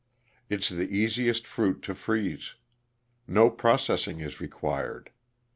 It's the easiest fruit to freeze. No processing is required.